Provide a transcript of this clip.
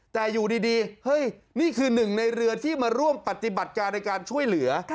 แต่อยู่ดีเฮ้ยนี่คือหนึ่งในเรือที่มาร่วมปฏิบัติการในการช่วยเหลือ